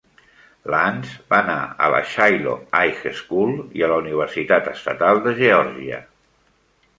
Lance va anar a la Shiloh High School i a la Universitat Estatal de Georgia.